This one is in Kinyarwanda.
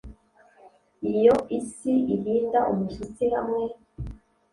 Iyo isi ihinda umushyitsi hamwe